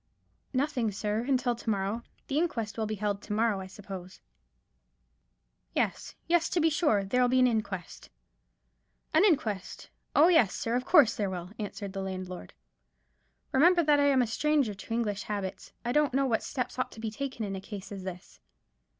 "Nothing, sir, until to morrow. The inquest will be held to morrow, I suppose." "Yes—yes, to be sure. There'll be an inquest." "An inquest! Oh, yes, sir; of course there will," answered the landlord. "Remember that I am a stranger to English habits. I don't know what steps ought to be taken in such a case as this.